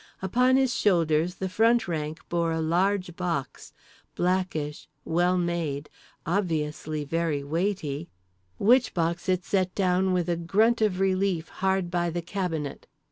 Upon his shoulders the front rank bore a large box, blackish, well made, obviously very weighty, which box it set down with a grunt of relief hard by the cabinet.